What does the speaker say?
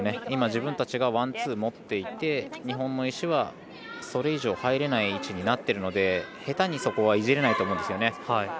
今、自分たちがワン、ツー持っていて日本の石は、それ以上入れない位置になってるので下手に、そこはいじれないと思うんですよね。